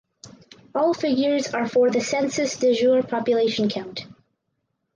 All figures are for the census de jure population count.